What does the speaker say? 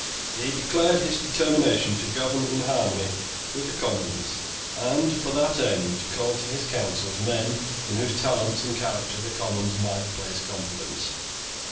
He declared his determination to govern in harmony with the Commons, and, for that end, to call to his councils men in whose talents and character the Commons might place confidence.